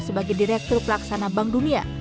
sebagai direktur pelaksana bank dunia